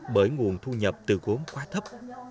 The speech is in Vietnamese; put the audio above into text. bởi nguồn thu nhập từ gốm quá thấp